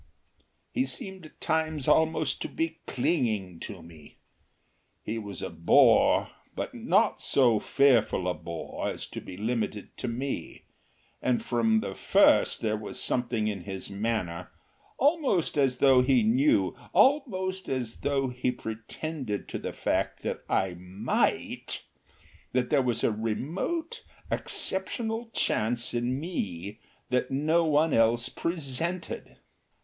He seemed at times almost to be clinging to me. He was a bore, but not so fearful a bore as to be limited to me; and from the first there was something in his manner almost as though he knew, almost as though he penetrated to the fact that I MIGHT that there was a remote, exceptional chance in me that no one else presented.